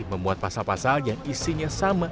memuat pasal pasal yang isinya sama